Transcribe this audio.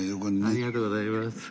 ありがとうございます。